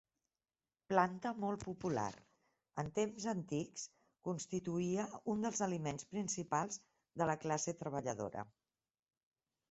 Planta molt popular, en temps antics constituïa un dels aliments principals de la classe treballadora.